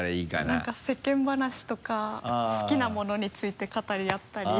なんか世間話とか好きな物について語り合ったり。